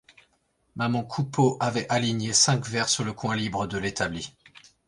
Maman Coupeau avait aligné cinq verres sur un coin libre de l'établi.